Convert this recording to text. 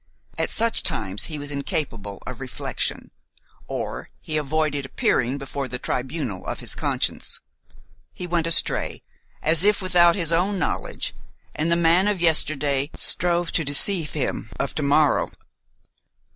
At such times he was incapable of reflection, or he avoided appearing before the tribunal of his conscience: he went astray, as if without his own knowledge, and the man of yesterday strove to deceive him of to morrow.